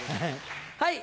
はい。